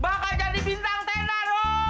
bakal jadi bintang tenar